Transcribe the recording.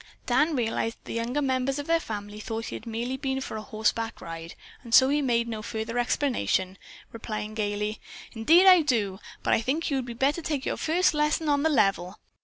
Dan realized that the younger members of their family thought he had merely been for a horseback ride, and so he made no further explanation, replying gayly: "Indeed I do! But I think you would better take your first lesson on the level.